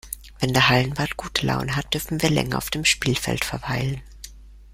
Wenn der Hallenwart gute Laune hat, dürfen wir länger auf dem Spielfeld verweilen.